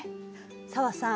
紗和さん。